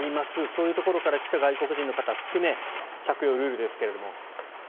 そういうところから来た外国人の方を含め着用ルールですが。